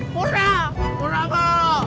hurrah hurrah mo